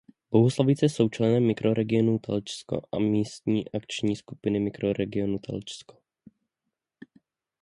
Bohuslavice jsou členem Mikroregionu Telčsko a místní akční skupiny Mikroregionu Telčsko.